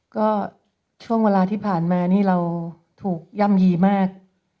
ก็ช่วงเวลาที่ผ่านมานี่เราถูกย่ำยีมาก